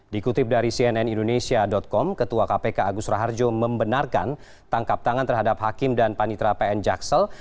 dikutip dari cnn indonesia com ketua kpk agus raharjo membenarkan tangkap tangan terhadap hakim dan panitra pn jaksel